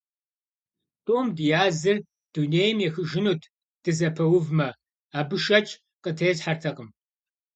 ТӀум дязыр дунейм ехыжынут дызэпэувмэ – абы шэч къытесхьэртэкъым.